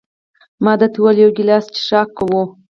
ما ده ته وویل: یو ګیلاس څښاک کوو؟